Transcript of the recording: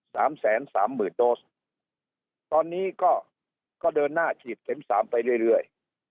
สามแสนสามหมื่นโดสตอนนี้ก็ก็เดินหน้าฉีดเข็มสามไปเรื่อยเรื่อย